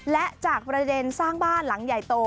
และจากประเด็นสร้างบ้านหลังใหญ่โต